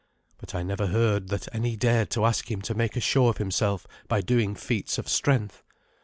But I never heard that any dared to ask him to make a show of himself by doing feats of strength.